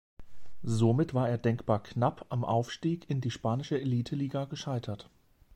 Somit war er denkbar knapp am Aufstieg in die spanische Eliteliga gescheitert.